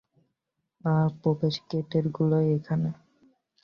আর প্রবেশগেটেরগুলো এখানে।